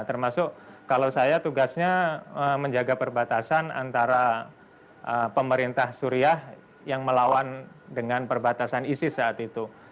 termasuk kalau saya tugasnya menjaga perbatasan antara pemerintah suriah yang melawan dengan perbatasan isis saat itu